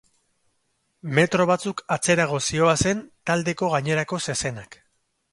Metro batzuk atzerago zihoazen taldeko gainerako zezenak.